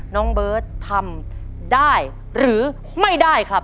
น้องเบิร์ตทำได้หรือไม่ได้ครับ